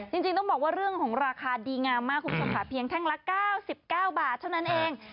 จริงต้องบอกว่าเรื่องของราคาดีงามมากคุณผู้ชมค่ะเพียงแท่งละ๙๙บาทเท่านั้นเอง